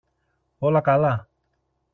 όλα καλά